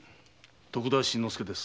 徳田新之助です。